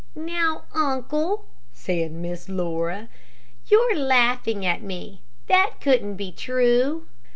"Now, uncle," said Miss Laura, "you're laughing at me. That couldn't be true."